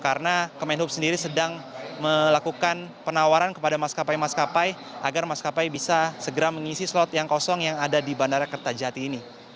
karena kemenhub sendiri sedang melakukan penawaran kepada maskapai maskapai agar maskapai bisa segera mengisi slot yang kosong yang ada di bandara kertajati ini